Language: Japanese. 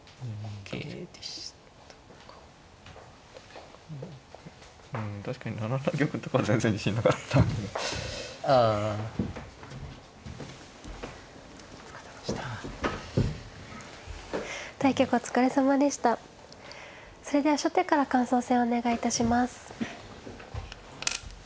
それでは初手から感想戦お願い致します。